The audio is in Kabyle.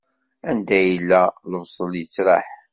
Anda yella, lebṣel yeţraḥ.